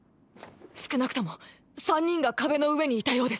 少なくとも３人が壁の上にいたようです。